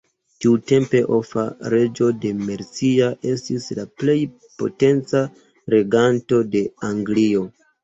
Tiutempe Offa, reĝo de Mercia, estis la plej potenca reganto de Anglio.